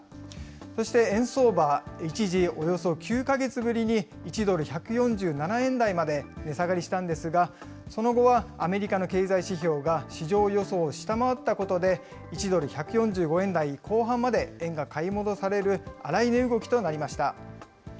そして円相場、一時およそ９か月ぶりに１ドル１４７円台まで値下がりしたんですが、その後はアメリカの経済指標が市場予想を下回ったことで、１ドル１４５円台後半まで円が買い戻される、荒い値動きとなりました。